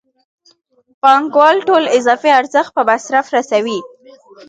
پانګوال ټول اضافي ارزښت په مصرف رسوي